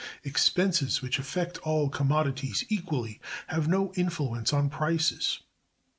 Expenses which affect all commodities equally have no influence on prices.